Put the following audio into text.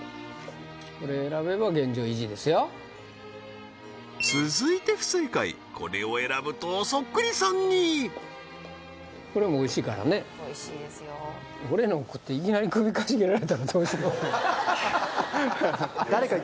これ選べば現状維持ですよ続いて不正解これを選ぶとそっくりさんにこれもおいしいからねおいしいですよいきなり首傾げられたらどうしようははははっ